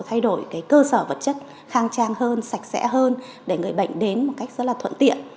thay đổi cái cơ sở vật chất khang trang hơn sạch sẽ hơn để người bệnh đến một cách rất là thuận tiện